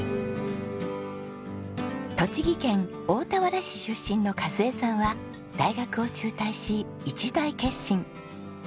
栃木県大田原市出身の和枝さんは大学を中退し一大決心。